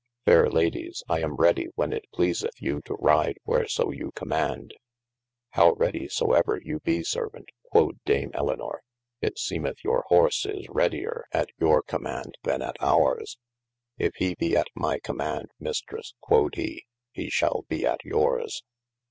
Fayre Ladyes I am ready when it pleaseth you to ride where so you commaund. How ready so ever you be servaunt, quod dame Elynor, it seemeth your horse is readier at your commaunde then at oures. If he bee at my commaund Mistresse (quod he) he shall be at yours.